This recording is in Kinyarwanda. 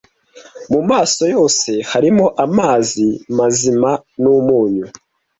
mu maso yose harimo amazi mazima n'umunyu